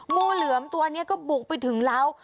งูเหลือมตัวนี้ก็บุกไปถึงเล้า